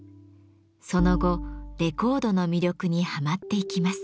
その後レコードの魅力にはまっていきます。